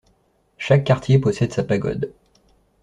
Chaque quartier possède sa pagode.